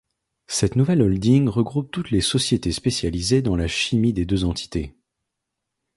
Cette nouvelle holding regroupe toutes les sociétés spécialisées dans la chimie des deux entités.